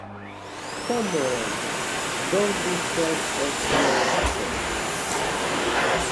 Come on! Don't be such a slowcoach!